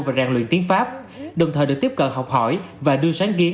và rèn luyện tiếng pháp đồng thời được tiếp cận học hỏi và đưa sáng kiến